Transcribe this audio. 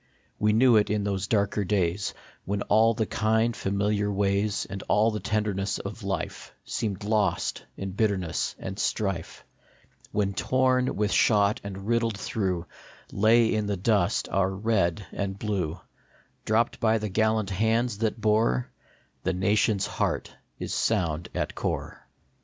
We knew it in those darker days When all the kind, familiar ways And all the tenderness of life Seemed lost in bitterness and strife ; When, torn with shot and riddled through, Lay in the dust our Red and Blue, Dropped by the gallant hands that bore, "The nation s heart is sound at core." 246 SOUND AT CORE.